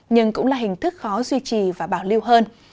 nhưng cũng là hình thức khó duy trì và bảo lưu hơn